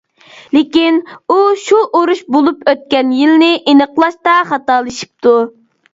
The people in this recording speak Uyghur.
لېكىن ئۇ شۇ ئۇرۇش بولۇپ ئۆتكەن يىلنى ئېنىقلاشتا خاتالىشىپتۇ.